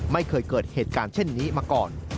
ไม่เคยเกิดเหตุการณ์เช่นนี้มาก่อน